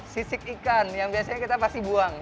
sisik ikan yang biasanya kita pasti buang